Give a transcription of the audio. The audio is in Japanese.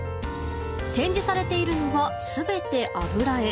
展示されているのは全て油絵。